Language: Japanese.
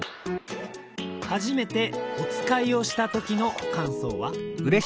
「はじめておつかいをしたときのかんそうは？」。